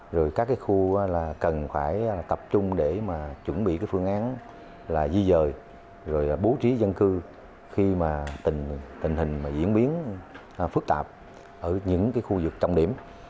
rồi các khu cần phải tập trung để chuẩn bị phương án di rời bố trí dân cư khi tình hình diễn biến phức tạp ở những khu vực trọng điểm